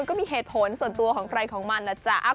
ก็มีเหตุผลส่วนตัวของใครของมันนะจ๊ะ